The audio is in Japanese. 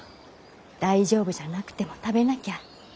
大丈夫じゃなくても食べなきゃ。